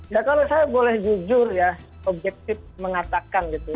ya kalau saya boleh jujur ya objektif mengatakan gitu